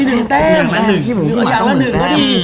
มี๑แต้มอย่างนั้นหนึ่งก็ดี